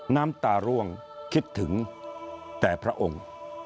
น้ำตาร่วงคิดถึงแต่พระองค์